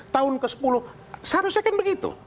tahun ke sepuluh seharusnya kan begitu